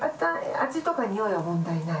味とかにおいは問題ない？